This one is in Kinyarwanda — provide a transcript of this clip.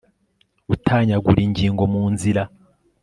gutanyagura ingingo mu nzira